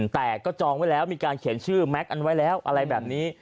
แต่ก็จองไว้แล้วมีการเขียนชื่อแม็กซอันไว้แล้วอะไรแบบนี้